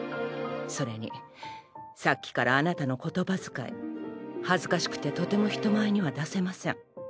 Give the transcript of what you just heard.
それにさっきからあなたの言葉遣い恥ずかしくてとても人前には出せません。